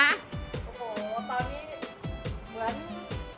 โอ้โหตอนนี้เหมือน